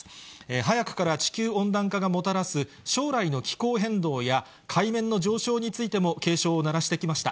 早くから地球温暖化がもたらす将来の気候変動や、海面の上昇についても警鐘を鳴らしてきました。